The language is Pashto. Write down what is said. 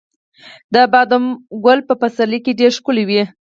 د بادامو ګل په پسرلي کې ډیر ښکلی وي.